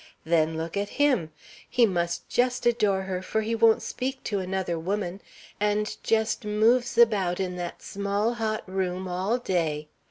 Then, look at him! He must just adore her, for he won't speak to another woman, and just moves about in that small, hot room all day.